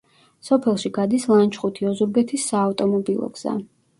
სოფელში გადის ლანჩხუთი-ოზურგეთის საავტომობილო გზა.